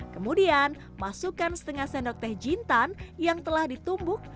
kemudian masukkan setengah sendok teh jintan yang telah ditumbuk